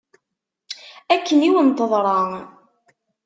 Akken i wen-teḍra.